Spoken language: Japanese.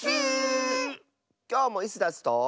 きょうもイスダスと。